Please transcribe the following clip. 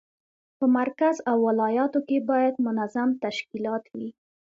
په مرکز او ولایاتو کې باید منظم تشکیلات وي.